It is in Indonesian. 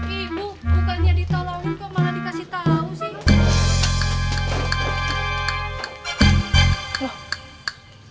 ibu bukannya ditolong kok malah dikasih tau sih